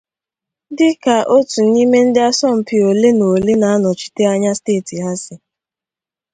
Dị ka otu n'ime ndị asọmpi ole na ole na-anọchite anya steeti ha si.